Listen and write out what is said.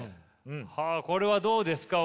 これはどうですか？